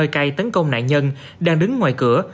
hơi cay tấn công nạn nhân đang đứng ngoài cửa